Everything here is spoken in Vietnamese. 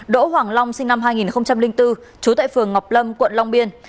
đỗ hoàng long sinh năm hai nghìn bốn trú tại phường ngọc lâm quận long biên